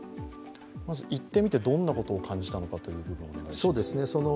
行ってみて、どんなことを感じたのかという部分ですね。